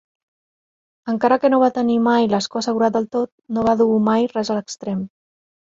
Encara que no va tenir mai l'escó assegurat del tot, no va dur mai res a l'extrem.